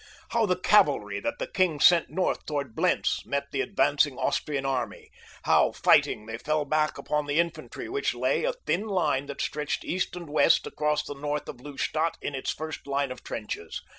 How the cavalry that the king sent north toward Blentz met the advancing Austrian army. How, fighting, they fell back upon the infantry which lay, a thin line that stretched east and west across the north of Lustadt, in its first line of trenches.